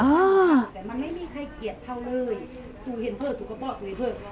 อ้าว